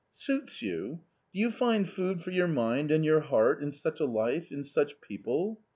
" Suits you ? Do you find food for your mind and your heart in such a life, in such people